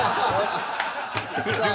さあ。